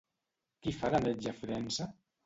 Qui fa de metge-forense?